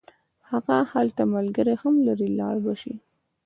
هغه هلته ملګري هم لري لاړ به شي.